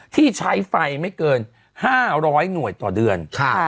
ที่ใช้ไฟไม่เกิน๕๐๐หน่วยต่อเดือน